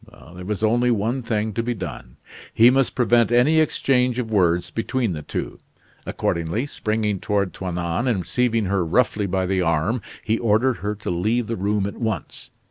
There was only one thing to be done. He must prevent any exchange of words between the two. Accordingly, springing toward Toinon and seizing her roughly by the arm, he ordered her to leave the room at once.